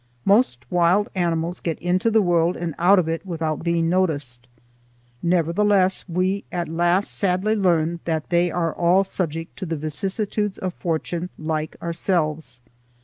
Most wild animals get into the world and out of it without being noticed. Nevertheless we at last sadly learn that they are all subject to the vicissitudes of fortune like ourselves.